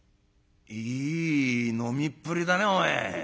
「いい飲みっぷりだねお前。